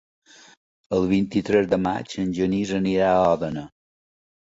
El vint-i-tres de maig en Genís anirà a Òdena.